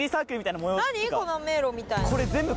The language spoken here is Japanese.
この迷路みたいな。